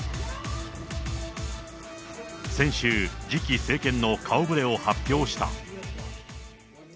先週、次期政権の顔ぶれを発表した。